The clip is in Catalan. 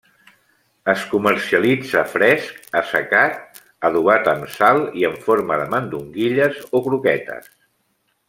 Es comercialitza fresc, assecat, adobat amb sal i en forma de mandonguilles o croquetes.